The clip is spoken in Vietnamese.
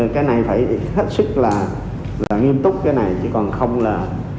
cái này phải hết sức là nghiêm túc cái này chỉ còn không là